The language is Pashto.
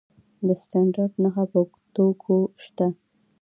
د سټنډرډ نښه په توکو شته؟